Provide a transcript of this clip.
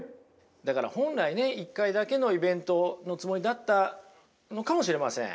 だから本来ね１回だけのイベントのつもりだったのかもしれません。